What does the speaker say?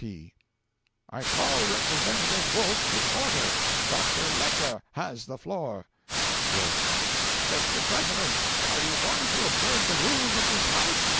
P. 'I call Representative Wolf to order. Dr. Lecher has the floor.' Wolf. 'Mr. President, are you going to observe the Rules of this House?'